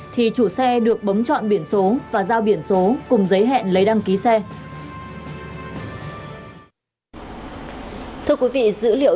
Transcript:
thì chủ xe được bấm chọn biển số và giao biển số cùng giấy hẹn lấy đăng ký xe thưa quý vị dữ liệu